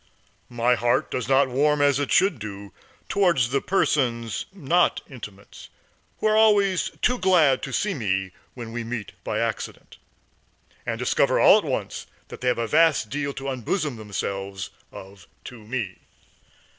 My heart does not warm as it should do towards the persons, not intimates, who are always too glad to see me when we meet by accident, and discover all at once that they have a vast deal to unbosom themselves of to me.